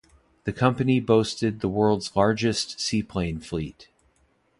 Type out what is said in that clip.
The company boasted the world's largest seaplane fleet.